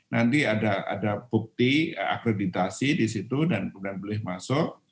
nanti ada bukti akreditasi di situ dan kemudian boleh masuk